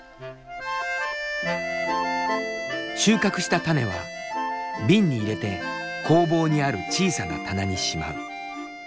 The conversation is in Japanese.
収穫した種は瓶に入れて工房にある小さな棚にしまう。